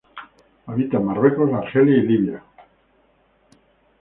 Habita en Marruecos, Argelia y Libia.